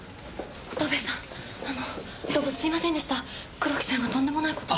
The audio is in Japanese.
黒木さんがとんでもない事を。